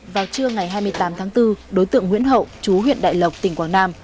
vào trưa ngày hai mươi tám tháng bốn đối tượng nguyễn hậu chú huyện đại lộc tỉnh quảng nam